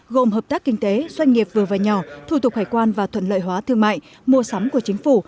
gồm hợp tác kinh tế doanh nghiệp vừa và nhỏ thủ tục hải quan và thuận lợi hóa thương mại mua sắm của chính phủ